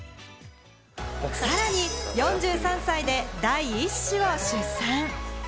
さらに４３歳で第１子を出産。